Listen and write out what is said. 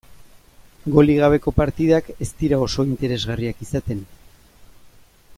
Golik gabeko partidak ez dira oso interesgarriak izaten.